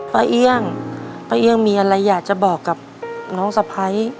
เอี่ยงป้าเอี่ยงมีอะไรอยากจะบอกกับน้องสะพ้าย